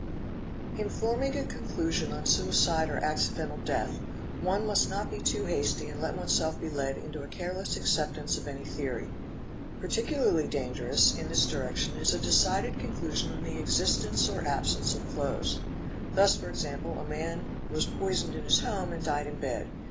In forming a conclusion on suicide or accidental death one must not be too hasty and let oneself be led into a careless acceptance of any { theory. Particularly dangerous in this direction is a decided con _ clusion on the existence or absence of clothes. Thus for example a man "was poisoned in his home and died in bed.